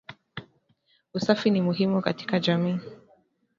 Usafi ni muhimu katika jamii